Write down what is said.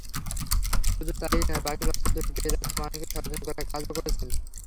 শুধু তা-ই নয়, পাখির অস্তিত্ব টিকিয়ে রাখতে মানুষকে সচেতন করার কাজও করছেন।